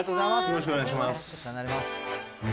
よろしくお願いします。